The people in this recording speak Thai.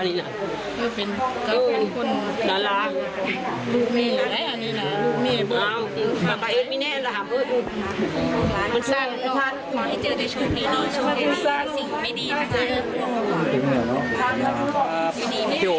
นี่นะคะเพิ่งกลับมาถึงบ้าน